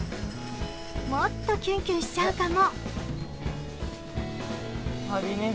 もっとキュンキュンしちゃうかも。